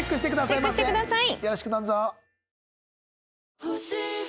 よろしくどうぞ。